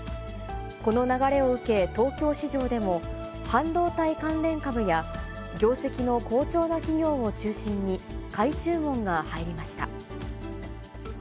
この流れを受け、東京市場でも、半導体関連株や、業績の好調な企業を中心に買い注文が入りました。